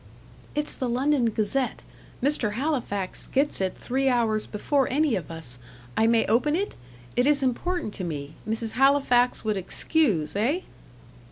"It's the London Gazette. Mr. Halifax gets it three hours before any of us. I may open it? It is important to me. Mrs. Halifax would excuse, eh?"